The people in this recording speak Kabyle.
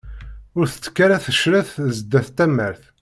Ur tettekk ara tecreṭ zdat tamart.